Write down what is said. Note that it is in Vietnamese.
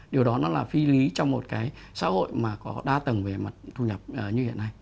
điều đó nó là phi lý trong một cái xã hội mà có đa tầng về mặt thu nhập như hiện nay